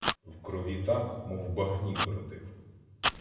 В крові так, мов в багні, бродив.